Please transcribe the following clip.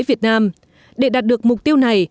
việt nam để đạt được mục tiêu này